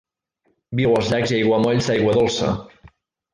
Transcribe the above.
Viu als llacs i aiguamolls d'aigua dolça.